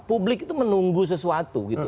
publik itu menunggu sesuatu gitu